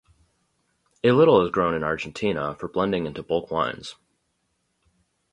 A little is grown in Argentina for blending into bulk wines.